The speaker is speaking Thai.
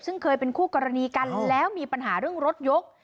ซึ่งเคยเป็นคู่กรณีกันแล้วมีปัญหาเรื่องรถยก